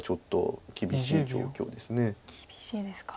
厳しいですか。